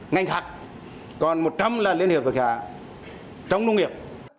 ngành hạc còn một trăm linh là liên hiệp với cả trong nông nghiệp